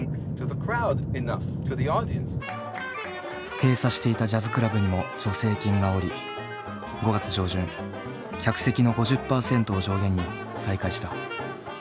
閉鎖していたジャズクラブにも助成金が下り５月上旬客席の５０％を上限に再開した。